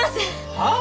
はあ？